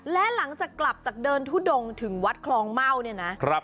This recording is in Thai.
และหลังจากกลับจากเดินทุดงถึงวัดคลองเม่าเนี่ยนะ